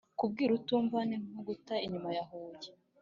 Kubwira utumva ni nko guta inyuma ya Huye.